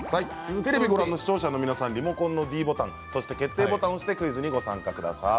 テレビをご覧の視聴者の皆さんテレビのリモコンのｄボタン決定ボタンを押して参加してください。